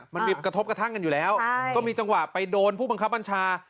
มันมีกระทบกระทั่งกันอยู่แล้วก็มีจังหวะไปโดนผู้บังคับบัญชา